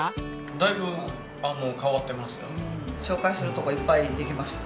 だいぶ変わってますよ。